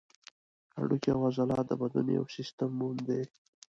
هډوکي او عضلات د بدن یو سیستم دی.